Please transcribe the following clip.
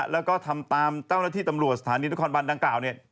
แล้วก็ทำตามเจ้าหน้าที่ตำรวจสถานีนครบันดังกล่าวเนี่ย